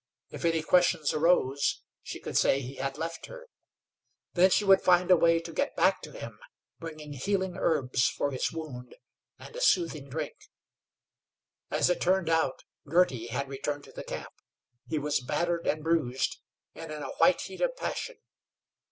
If any questions arose, she could say he had left her. Then she would find a way to get back to him, bringing healing herbs for his wound and a soothing drink. As it turned out Girty had returned to the camp. He was battered and bruised, and in a white heat of passion.